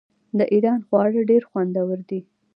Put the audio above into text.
د ایران خواړه ډیر خوندور دي.